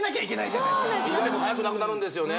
意外と早くなくなるんですよね